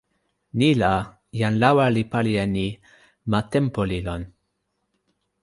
ni la, jan lawa li pali e ni: ma tenpo li lon.